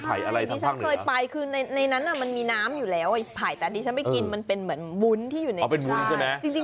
ปลายถ้อนั้นคือมันมีน้ำอยู่หรือล้าวแต่เดี๋ยวฉันไม่กินมันเป็นเหมือนวุ้นที่อยู่ในนี้